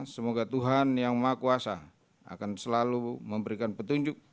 semoga tuhan yang maha kuasa akan selalu memberikan petunjuk